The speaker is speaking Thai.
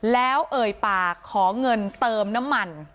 แล้วเอ่ยปากขอเงินเติมน้ำมัน